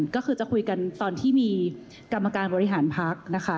ก็คือจะคุยกันตอนที่มีกรรมการบริหารพักนะคะ